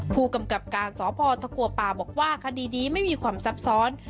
ผู้กำกับการสพตะกัวป่าบอกว่าคดีนี้ไม่มีความซับซ้อน